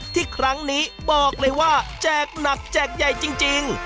ที่ครั้งนี้บอกเลยว่าแจกหนักแจกใหญ่จริง